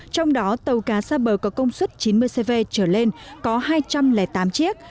trong đó tàu cá xa bờ có công suất chín mươi cv trở lên có hai trăm linh tám chiếc